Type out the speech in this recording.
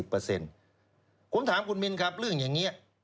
ผมถามคุณมินครับเรื่องอย่างนี้